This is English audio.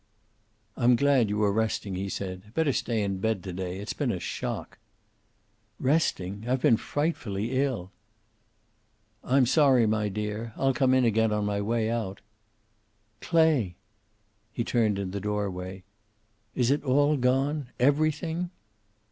"I'm glad you are resting," he said, "Better stay in bed to day. It's been a shock." "Resting! I've been frightfully ill." "I'm sorry, my dear. I'll come in again on my way out." "Clay!" He turned in the doorway. "Is it all gone? Everything?"